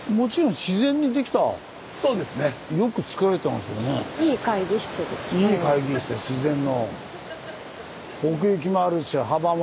自然の。